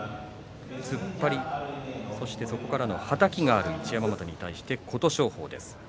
突っ張りそこからのはたきがある一山本に対して琴勝峰です。